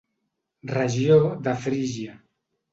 Regió de Frígia.